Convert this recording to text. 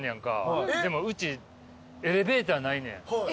でもうちエレベーターないねん。